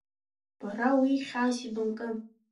Бара уи хьаас ибымкын.